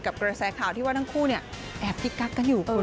กับกระแสขาวที่ว่าทั้งคู่เนี่ยแอบพิกัดกันอยู่ครับคุณ